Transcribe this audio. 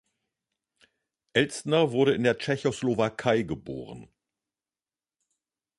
Elstner wurde in der Tschechoslowakei geboren.